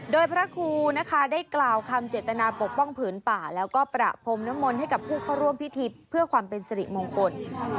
โดยพระครูนะคะได้กล่าวคำเจตนาปกป้องผืนป่าแล้วก็ประพรมนมลให้กับผู้เข้าร่วมพิธีเพื่อความเป็นสิริมงคล